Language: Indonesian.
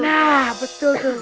nah betul tuh